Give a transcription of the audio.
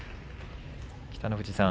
北の富士さん